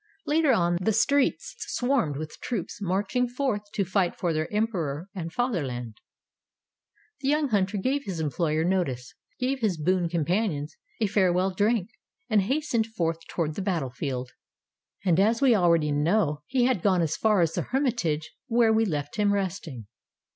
Later on, the streets swarmed with troops marching forth to fight for their Emperor and Fatherland. The young hunter gave his employer notice, gave his boon companions a fare Tales of Modern Germany 125 well drink, and hastened forth toward the battle field. And as we already know, he had gone as far as the hermitage, where we left him resting.